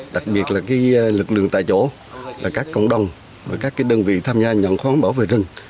đặc biệt là lực lượng tại chỗ các cộng đồng và các đơn vị tham gia nhận khoán bảo vệ rừng